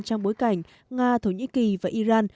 trong bối cảnh nga thổ nhĩ kỳ và iran